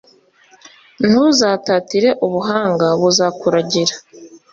ntuzatatire ubuhanga, buzakuragira